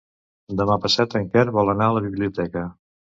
Demà passat en Quer vol anar a la biblioteca.